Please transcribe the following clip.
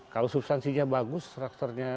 kalau substansinya bagus strukturnya